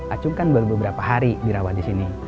acung kan baru beberapa hari dirawat disini